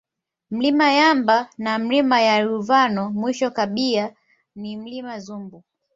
Mlima Yamba na Milima ya Yaruvano mwisho kabia ni Mlima Zumbu